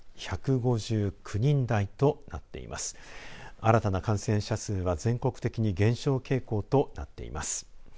新たな感染者数は全国的に減少傾向となっています。